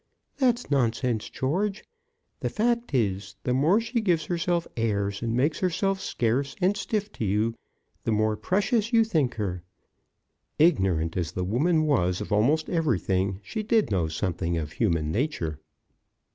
"That's nonsense, George. The fact is, the more she gives herself airs and makes herself scarce and stiff to you, the more precious you think her." Ignorant as the woman was of almost everything, she did know something of human nature.